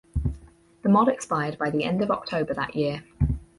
The mod expired by the end of October that year.